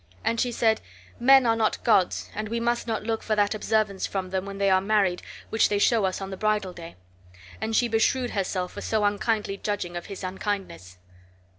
And she said, "Men are not gods, and we must not look for that observance from them when they are married which they show us on the bridal day." And she beshrewed herself for so unkindly judging of his unkindness.